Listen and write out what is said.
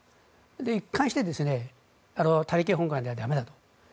一貫して他力本願では駄目だと。